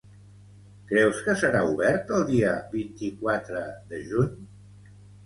Creus que serà obert el dia vint-i-quatre de juny?